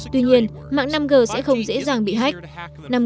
tuy nhiên mạng năm g sẽ không dễ dàng bị hách